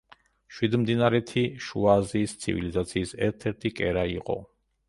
შვიდმდინარეთი შუა აზიის ცივილიზაციის ერთ-ერთი კერა იყო.